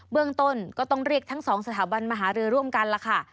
เรื่องต้นก็ต้องเรียกทั้งสองสถาบันมาหารือร่วมกันล่ะค่ะ